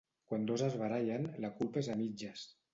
Quan dos es barallen, la culpa és a mitges.